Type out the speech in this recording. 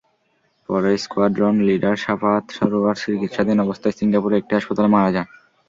পরে squadron leader Shafayat Sarwar চিকিৎসাধীন অবস্থায় সিঙ্গাপুরের একটি হাসপাতালে মারা যান।